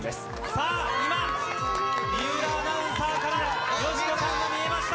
さあ、今、水卜アナウンサーから、よしこさんが見えました。